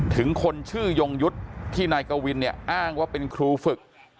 ถึงคนชื่อยงยุทธ์ที่นายกวินเนี่ยอ้างว่าเป็นครูฝึก